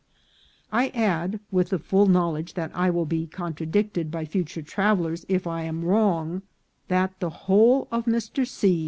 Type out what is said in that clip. I add, with the full knowledge that I will be contradicted by future travellers if I am wrong, that the whole of Mr. C.'